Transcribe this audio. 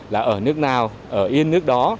là ở nước nào ở yên nước đó